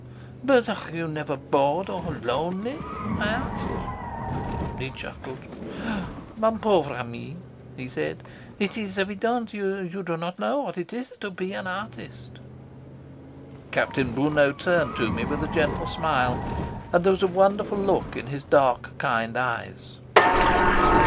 "'But are you never bored or lonely?' I asked. "He chuckled. "',' he said. 'It is evident that you do not know what it is to be an artist.'" Capitaine Brunot turned to me with a gentle smile, and there was a wonderful look in his dark, kind eyes.